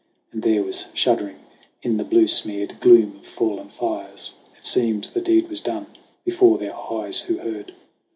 And there was shuddering in the blue smeared gloom Of fallen fires. It seemed the deed was done Before their eyes who heard.